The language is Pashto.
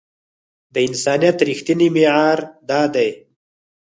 د انسانيت رښتينی معيار دا دی.